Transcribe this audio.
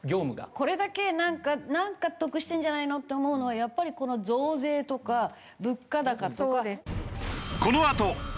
これだけなんか得してんじゃないのって思うのはやっぱりこの増税とか物価高とか。